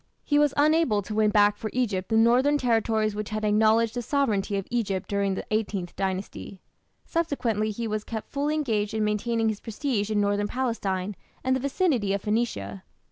He was unable to win back for Egypt the northern territories which had acknowledged the suzerainty of Egypt during the Eighteenth Dynasty. Subsequently he was kept fully engaged in maintaining his prestige in northern Palestine and the vicinity of Phoenicia.